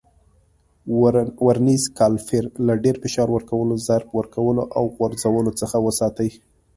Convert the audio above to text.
ورنیز کالیپر له ډېر فشار ورکولو، ضرب ورکولو او غورځولو څخه وساتئ.